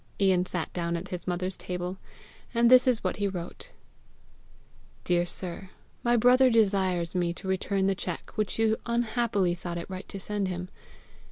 Ian sat down at his mother's table, and this is what he wrote. "Dear sir, My brother desires me to return the cheque which you unhappily thought it right to send him.